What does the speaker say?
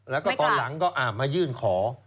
แล้วก็ตอนหลังก็มายื่นขอ